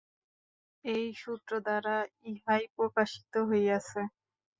এই সূত্রদ্বারা ইহাই প্রকাশিত হইয়াছে।